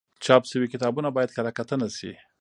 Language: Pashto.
چاپ شوي کتابونه باید کره کتنه شي.